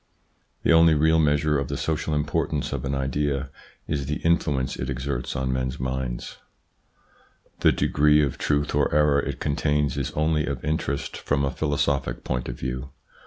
The only real measure of the social importance of an idea is the influence it exerts on men's minds. INTRODUCTION xvii The degree of truth or error it contains is only of interest from a philosophic point of view.